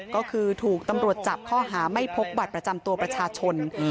ก็คือถูกตำรวจจับข้อหาไม่พกบัตรประจำตัวประชาชน